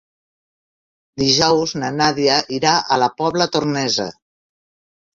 Dijous na Nàdia irà a la Pobla Tornesa.